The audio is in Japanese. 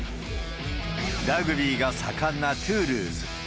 ラグビーが盛んなトゥールーズ。